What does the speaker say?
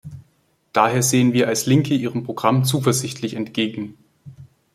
Daher sehen wir als Linke Ihrem Programm zuversichtlich entgegen.